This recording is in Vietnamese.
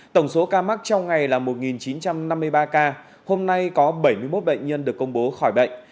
tổng số ca mắc trong ngày là một chín trăm năm mươi ba ca hôm nay có bảy mươi một bệnh nhân được công bố khỏi bệnh